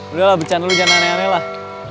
udahlah becan lo jangan aneh aneh lah